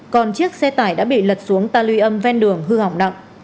còn chiếc xe tải đã bị lật xuống talium ven đường hư hỏng nặng